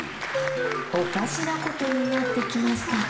おかしなことになってきました